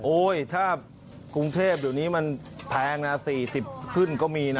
ถ้ากรุงเทพเดี๋ยวนี้มันแพงนะ๔๐ขึ้นก็มีนะ